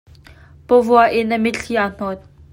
Pawvuah in a mitthli aa hnawt.